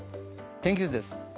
天気図です。